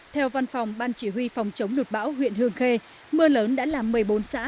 theo văn phòng ban chỉ huy phòng chống lụt bão huyện hương khê mưa lớn đã làm một mươi bốn xã